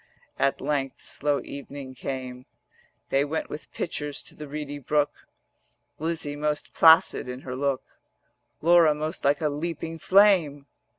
At length slow evening came: They went with pitchers to the reedy brook; Lizzie most placid in her look, Laura most like a leaping flame.